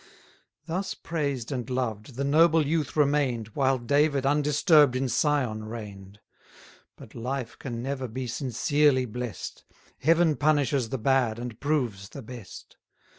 40 Thus praised and loved, the noble youth remain'd, While David undisturb'd in Sion reign'd. But life can never be sincerely blest: Heaven punishes the bad, and proves the best.